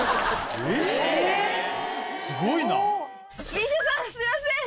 ＭＩＳＩＡさんすいません！